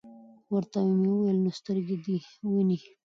ورته ومي ویل : نو سترګي دي وینې ؟